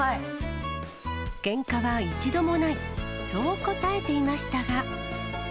けんかは一度もない、そう答えていましたが。